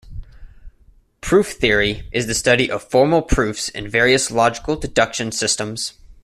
Proof theory is the study of formal proofs in various logical deduction systems.